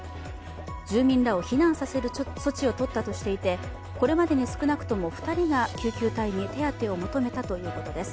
住民らを避難させる措置を取ったとしていて、これまでに少なくとも２人が救急隊に手当てを求めたということです。